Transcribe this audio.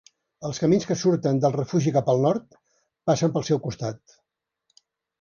Els camins que surten del refugi cap al nord passen pel seu costat.